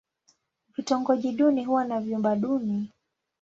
Vitongoji duni huwa na vyumba duni.